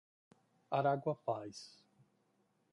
Araguapaz